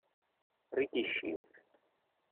Ricky Shields